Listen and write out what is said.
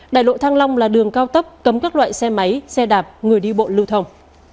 đại lộ thăng long là đường cao tốc cấm các loại xe máy xe đạp người đi bộ lưu thông